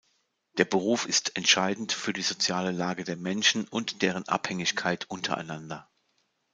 Der Beruf ist entscheidend für die soziale Lage der Menschen und deren Abhängigkeit untereinander.